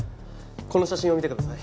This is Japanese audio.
この写真を見てください。